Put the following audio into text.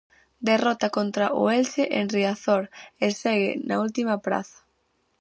Derrota contra o Elxe en Riazor e segue na última praza.